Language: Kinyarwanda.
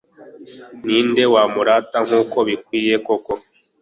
ni nde wamurata nk'uko bikwiye koko